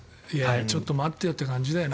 ちょっと待ってよって感じだよな。